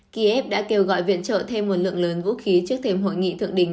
kiev đã kêu gọi viện trợ thêm một lượng lớn vũ khí trước thêm hội nghị thượng đỉnh